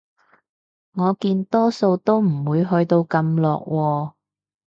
我見多數都唔會去到咁落喎